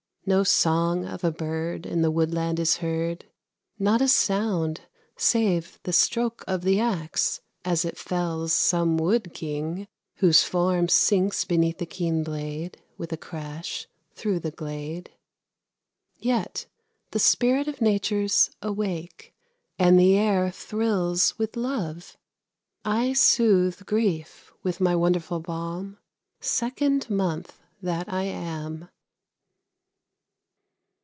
No song of a bird In the woodland is heard, Not a sound, save the stroke of the axe, as it fells Some wood king, whose form sinks beneath the keen blade, With a crash, through the glade; Yet the spirit of Nature's awake, and the air Thrills with love. I soothe grief with my wonderful balm, Second month that I am.